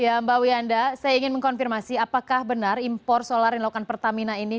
ya mbak wiyanda saya ingin mengkonfirmasi apakah benar impor solar yang dilakukan pertamina ini